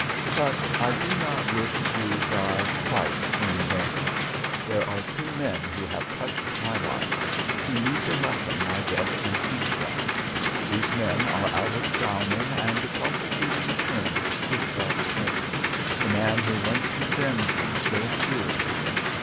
But I do not wish to die quite in vain. There are two men who have touched my life, who need the lesson my death can teach them. These men are Albert Graumann and the prosecuting attorney Gustav Schmidt, the man who once condemned me so cruelly.